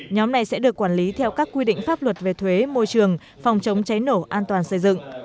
nhóm này sẽ được quản lý theo các quy định pháp luật về thuế môi trường phòng chống cháy nổ an toàn xây dựng